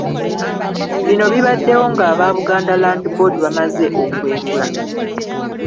Bino bibaddewo ng’aba Buganda Land Board bamaze okwerula.